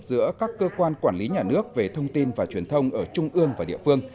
giữa các cơ quan quản lý nhà nước về thông tin và truyền thông ở trung ương và địa phương